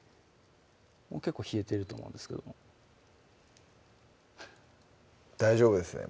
結構冷えてると思うんですけども大丈夫ですね